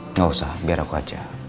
nggak usah biar aku aja